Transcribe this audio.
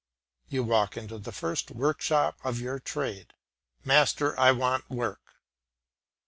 You walk into the first workshop of your trade. "Master, I want work."